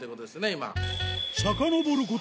今。